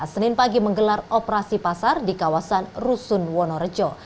senin pagi menggelar operasi pasar di kawasan rusun wonorejo